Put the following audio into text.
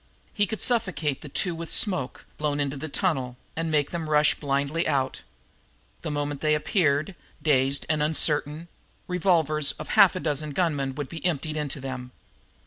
He could suffocate the two with smoke, blown into the tunnel, and make them rush blindly out. The moment they appeared, dazed and uncertain, the revolvers of half a dozen gunmen would be emptied into them.